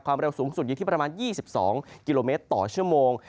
ความเราระวยสูงสุดยืนที่ประมาณ๒๒กมต่อชั่วโมง